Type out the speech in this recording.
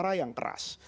suara yang keras